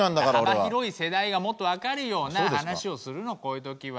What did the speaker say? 幅広い世代がもっと分かるような話をするのこういう時は。